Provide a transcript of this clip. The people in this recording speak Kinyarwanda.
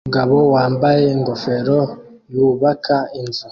Umugabo wambaye ingofero yubaka inzu